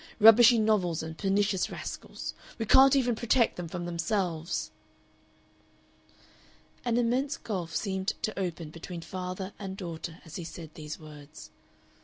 Rubbishy novels and pernicious rascals. We can't even protect them from themselves." An immense gulf seemed to open between father and daughter as he said these words.